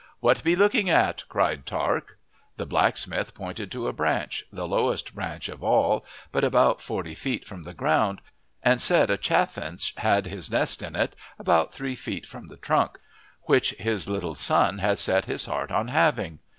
"What be looking at?" cried Tark. The blacksmith pointed to a branch, the lowest branch of all, but about forty feet from the ground, and said a chaffinch had his nest in it, about three feet from the trunk, which his little son had set his heart on having.